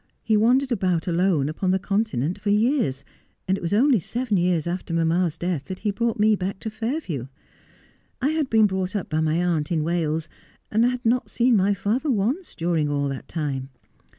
He wandered about, alone, upon the Continent for years, and it was only seven years after mamma's death that he brought me back to Fan view. I had been brought up by my aunt in Wales, and had not seen my father once during all that time.